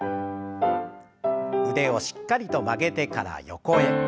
腕をしっかりと曲げてから横へ。